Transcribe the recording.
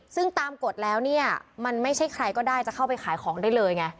ซึ่งตามกฎแล้วเนี่ยมันไม่ใช่ใครก็ได้จะเข้าไปขายของได้เลยไง